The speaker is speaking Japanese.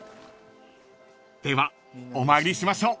［ではお参りしましょう］